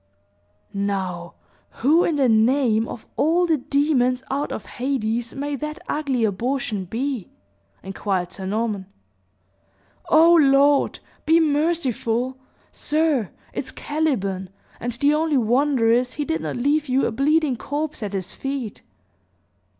"Now, who in the name of all the demons out of Hades may that ugly abortion be?" inquired Sir Norman. "O Lord! be merciful! sir, it's Caliban; and the only wonder is, he did not leave you a bleeding corpse at his feet!"